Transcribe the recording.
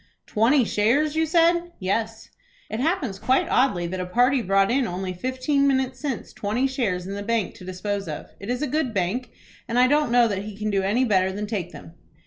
"Twenty shares, you said?" "Yes." "It happens quite oddly that a party brought in only fifteen minutes since twenty shares in the Bank to dispose of. It is a good bank, and I don't know that he can do any better than take them."